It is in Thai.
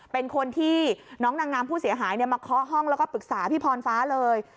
เป็นคนที่น้องนางงามผู้เสียหายมาเคาะห้องแล้วก็ปรึกษาพี่พรฟ้าเลย